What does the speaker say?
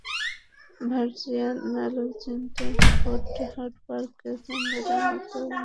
ভার্জিনিয়ার আলেকজান্দ্রিয়ার Fort Hunt পার্কে প্রথমবারের মতো অনুষ্ঠিত হয়ে গেল চট্টগ্রামের ঐতিহ্যবাহী মেজবান।